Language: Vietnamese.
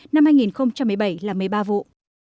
năm hai nghìn một mươi bảy là một mươi ba vụ